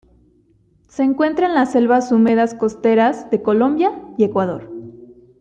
Se encuentra en las selvas húmedas costeras de Colombia y Ecuador.